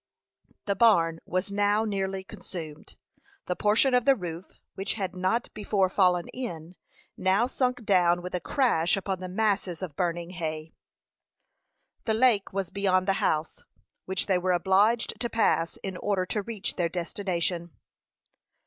The barn was now nearly consumed; the portion of the roof which had not before fallen in, now sunk down with a crash upon the masses of burning hay. The lake was beyond the house, which they were obliged to pass in order to reach their destination.